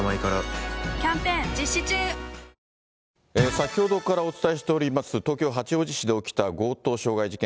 先ほどからお伝えしております、東京・八王子市で起きた強盗傷害事件。